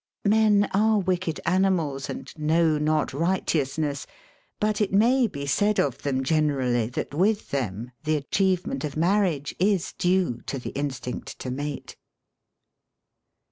Men are wicked animals and know not righteous ness, but it may be said of them generally that with them the achievement of marriage is due to the instinct to mate.